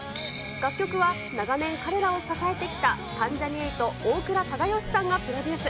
楽曲は、長年彼らを支えてきた関ジャニ∞・大倉忠義さんがプロデュース。